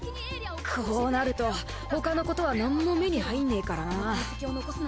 こうなると他のことはなんも目に入んねぇからな。